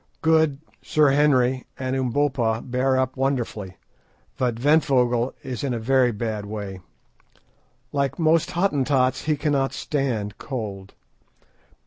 Good, Sir Henry, and Umbopa bear up wonderfully, but Ventvögel is in a very bad way. Like most Hottentots, he cannot stand cold.